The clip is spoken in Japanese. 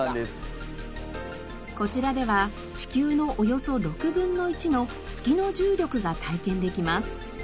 こちらでは地球のおよそ６分の１の月の重力が体験できます。